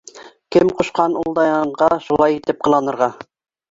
— Кем ҡушҡан ул Даянға шулай итеп ҡыланырға!